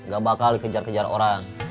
gak bakal dikejar kejar orang